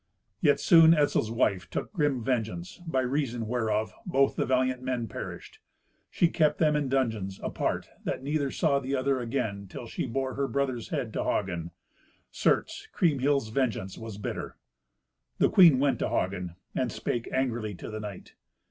Yet soon Etzel's wife took grim vengeance, by reason whereof both the valiant men perished. She kept them in dungeons, apart, that neither saw the other again till she bore her brother's head to Hagen. Certes, Kriemhild's vengeance was bitter. The queen went to Hagen, and spake angrily to the knight.